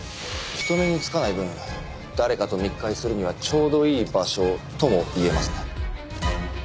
人目につかない分誰かと密会するにはちょうどいい場所とも言えますね。